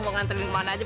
mau ngantri ke mana aja